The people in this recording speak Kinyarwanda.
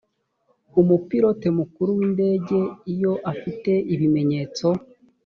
umupilote mukuru w indege iyo afite ibimenyetso